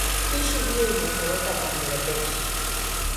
Spishi hiyo imetoweka Bangladesh.